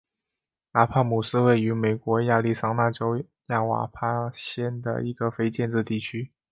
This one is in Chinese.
拉帕姆是位于美国亚利桑那州亚瓦派县的一个非建制地区。